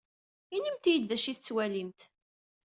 Inimt-iyi-d d acu i tettwalimt.